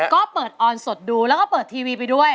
ก็เปิดออนสดดูแล้วก็เปิดทีวีไปด้วย